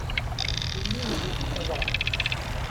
Ilinidi i d-teḍra.